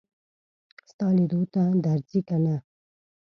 ستا لیدو ته درځي که نه.